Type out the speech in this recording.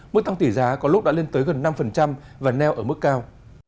mức tăng tỷ giá có lúc đã lên tới gần năm và neo ở mức cao